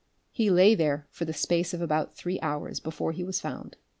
He lay there for the space of about three hours before he was found.